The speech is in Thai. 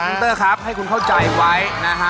คุณเตอร์ครับให้คุณเข้าใจไว้นะฮะ